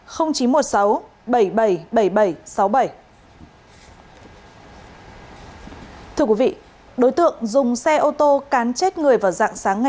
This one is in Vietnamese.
thưa quý vị đối tượng dùng xe ô tô cán chết người vào dạng sáng ngày